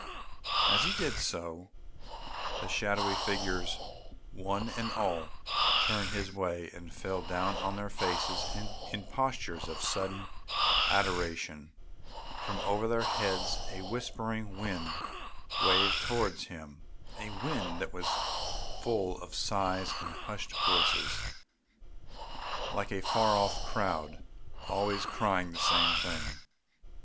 As he did so, the shadowy figures one and all turned his way and fell down on their faces in postures of sudden adoration; from over their heads a whispering wind waved towards him, a wind that was full of sighs and hushed voices, like a far off crowd always crying the same thing.